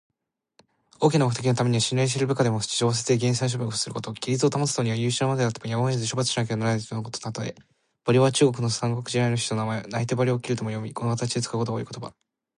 大きな目的のためには信頼している部下でも、私情を捨てて、厳正な処分をすること。規律を保つためには、優秀な者であってもやむを得ず処罰しなければならないことのたとえ。「馬謖」は中国の三国時代の人の名前。「泣いて馬謖を斬る」とも読み、この形で使うことが多い言葉。